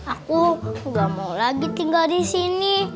aku gak mau lagi tinggal disini